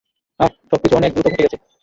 আহ, সবকিছু অনেক দ্রুত ঘটে গেছে।